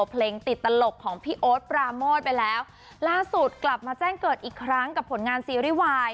เพลงติดตลกของพี่โอ๊ตปราโมทไปแล้วล่าสุดกลับมาแจ้งเกิดอีกครั้งกับผลงานซีรีส์วาย